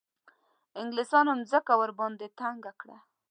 انګلیسیانو مځکه ورباندې تنګه کړه.